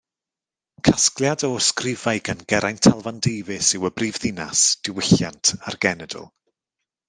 Casgliad o ysgrifau gan Geraint Talfan Davies yw Y Brifddinas, Diwylliant a'r Genedl.